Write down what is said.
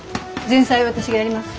前菜は私がやります。